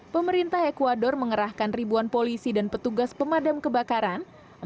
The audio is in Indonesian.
pemerintah ecuador mengerahkan ribuan polisi dan petugas pemadam kebakaran